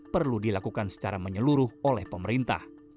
perlu dilakukan secara menyeluruh oleh pemerintah